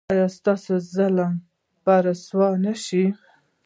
ایا ستاسو ظالم به رسوا نه شي؟